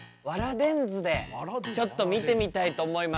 電図でちょっと見てみたいと思います。